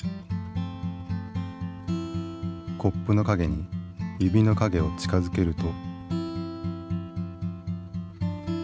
コップの影に指の影を近づけると。